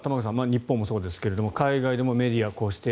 日本もそうですが海外でもメディア、こうして